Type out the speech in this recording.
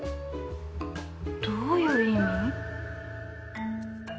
どういう意味？